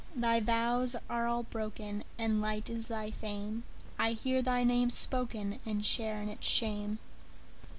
Thy vows are all broken, And light is thy fame:I hear thy name spokenAnd share in its shame.